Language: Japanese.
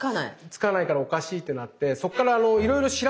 つかないからおかしいってなってそっからいろいろ調べるんですよ。